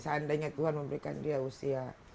seandainya tuhan memberikan dia usia